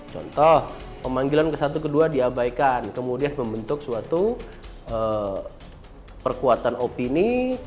contoh pemanggilan ke satu ke dua diabaikan kemudian membentuk suatu perkuatan opini